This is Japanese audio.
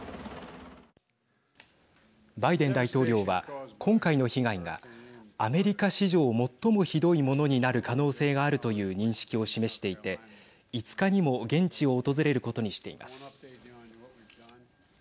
バイデン大統領は、今回の被害がアメリカ史上最もひどいものになる可能性があるという認識を示していて５日にも現地を訪れることにしています。